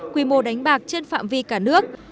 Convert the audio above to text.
quy mô đánh bạc trên phạm vi cả nước